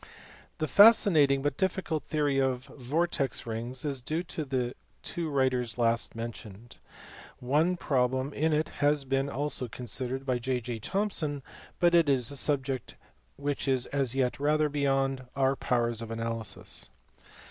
The fascinating but difficult theory of vortex rings is due to the two writers last mentioned. One problem in it has been also considered by J. J. Thomson, but it is a subject which is as yet rather beyond our powers of analysis.